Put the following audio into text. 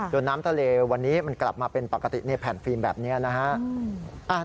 น้ำทะเลวันนี้มันกลับมาเป็นปกติในแผ่นฟิล์มแบบนี้นะฮะ